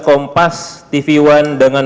kompas tv one dengan